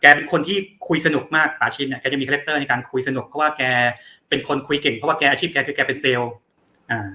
เป็นคนที่คุยสนุกมากป่าชินเนี้ยแกจะมีคาแรคเตอร์ในการคุยสนุกเพราะว่าแกเป็นคนคุยเก่งเพราะว่าแกอาชีพแกคือแกเป็นเซลล์อ่า